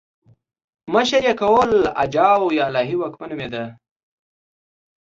مشر یې کهول اجاو یا الهي واکمن نومېده